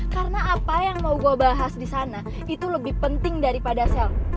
karena apa yang mau gue bahas disana itu lebih penting daripada sel